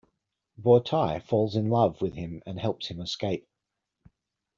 Bortai falls in love with him and helps him escape.